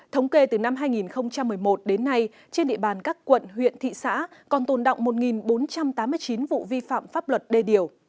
thống kê từ năm hai nghìn một mươi một đến nay trên địa bàn các quận huyện thị xã còn tồn động một bốn trăm tám mươi chín vụ vi phạm pháp luật đê điều